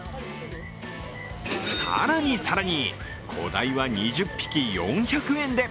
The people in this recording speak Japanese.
更に更に、小鯛は２０匹４００円で。